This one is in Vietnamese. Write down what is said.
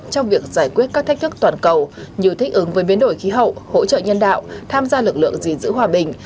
trong việc giải quyết các thách thức toàn cầu như thích ứng với biến đổi khí hậu hỗ trợ nhân đạo tham gia lực lượng gìn giữ hòa bình